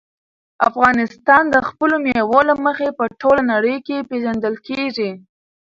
افغانستان د خپلو مېوو له مخې په ټوله نړۍ کې پېژندل کېږي.